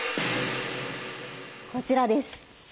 こちらです。